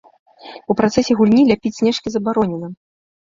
У працэсе гульні ляпіць снежкі забаронена.